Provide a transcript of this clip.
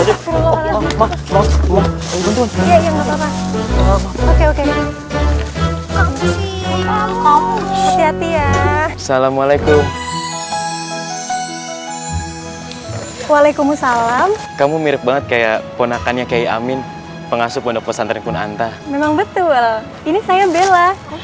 yaudah kalau begitu saya langsung pamit ya